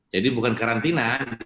jadi bukan karantina